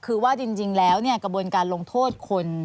คือว่าจริงแล้วกระบวนการลงโทษคน